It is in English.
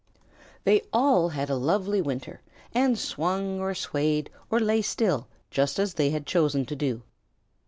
They all had a lovely winter, and swung or swayed or lay still, just as they had chosen to do.